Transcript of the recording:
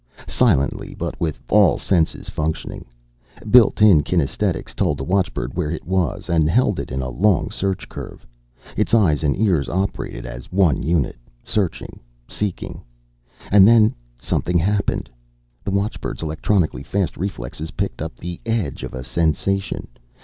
Silently, but with all senses functioning. Built in kinesthetics told the watchbird where it was, and held it in a long search curve. Its eyes and ears operated as one unit, searching, seeking. And then something happened! The watchbird's electronically fast reflexes picked up the edge of a sensation.